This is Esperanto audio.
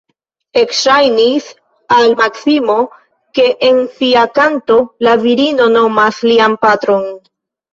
Ekŝajnis al Maksimo, ke en sia kanto la virino nomas lian patron.